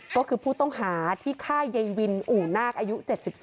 ก็คือผู้ต้องหาที่ฆ่ายายวินอู่นาคอายุ๗๒